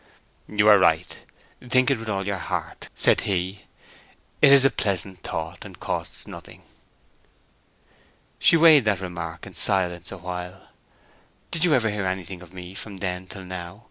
"You are right—think it with all your heart," said he. "It is a pleasant thought, and costs nothing." She weighed that remark in silence a while. "Did you ever hear anything of me from then till now?"